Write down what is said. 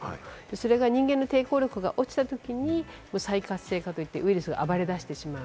それが人間の抵抗力が落ちたときに再活性化といってウイルスが暴れだしてしまう。